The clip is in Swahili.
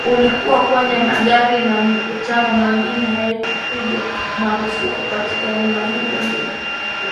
ulikuwa kwenye magari na mikutano mingine haikupigwa marufuku katika eneo hilohilo